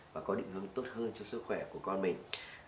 và có định hướng tốt hơn cho sức khỏe của con mình